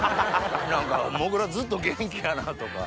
何かもぐらずっと元気やなとか。